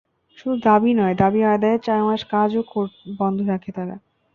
শুধু দাবি নয়, দাবি আদায়ে চার মাস কাজও বন্ধ রাখে তারা।